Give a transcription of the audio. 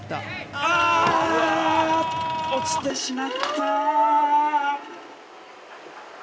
あ落ちてしまった。